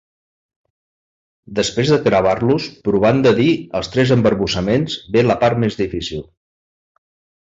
Després de gravar-los provant de dir els tres embarbussaments ve la part més difícil.